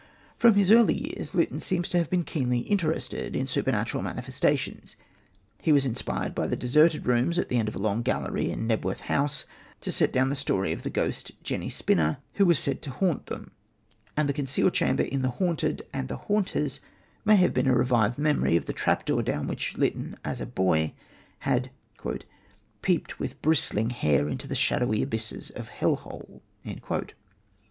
From his early years Lytton seems to have been keenly interested in supernatural manifestations. He was inspired by the deserted rooms at the end of a long gallery in Knebworth House to set down the story of the ghost, Jenny Spinner, who was said to haunt them; and the concealed chamber in The Haunted and the Haunters may have been a revived memory of the trap door down which Lytton as a boy had "peeped with bristling hair into the shadowy abysses of hellhole."